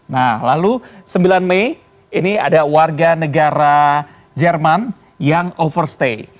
nah lalu sembilan mei ini ada warga negara jerman yang overstay